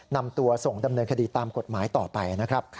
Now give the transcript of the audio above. นำตัวส่งดำเนินคดีตามกฎหมายต่อไปนะครับ